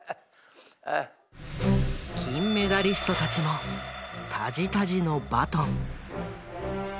金メダリストたちもタジタジのバトン。